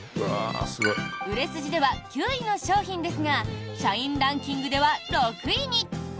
売れ筋では９位の商品ですが社員ランキングでは６位に！